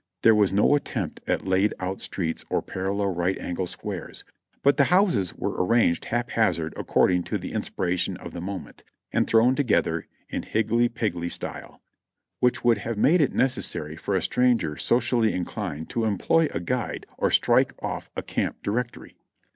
There was no attempt at laid out streets or parallel right angle squares, but the houses were arranged haphazard according to the inspiration of the moment, and thrown together in higgledy piggledy style, which would have made it necessary for a stranger socially inclined to employ a guide or strike off a camp directory.